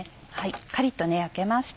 カリっと焼けました。